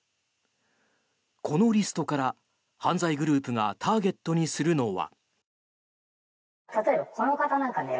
このリストから犯罪グループがターゲットにするのは。